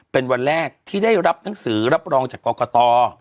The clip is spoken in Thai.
เป็นวันแรกที่ได้รับหนังสือรับรองจากกรกต